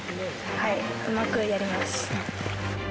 はいうまくやります。